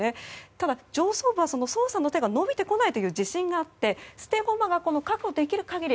ただ、上層部は捜査の手が伸びてこないという自信があって捨て駒が確保できる限り